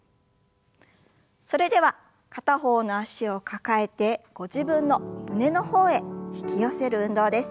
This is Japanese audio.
それでは片方の脚を抱えてご自分の胸の方へ引き寄せる運動です。